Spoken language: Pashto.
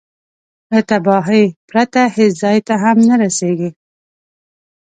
له تباهي پرته هېڅ ځای ته هم نه رسېږي.